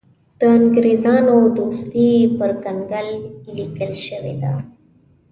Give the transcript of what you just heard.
د انګرېزانو دوستي پر کنګل لیکل شوې ده.